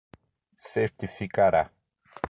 certificará